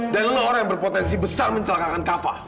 dan lo orang yang berpotensi besar mencelakakan kafa